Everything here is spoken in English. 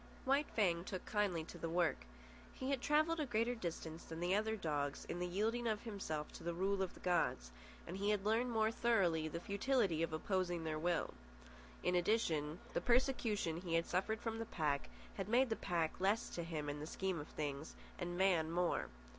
White Fang took kindly to the work. He had travelled a greater distance than the other dogs in the yielding of himself to the rule of the gods, and he had learned more thoroughly the futility of opposing their will. In addition, the persecution he had suffered from the pack had made the pack less to him in the scheme of things, and man more.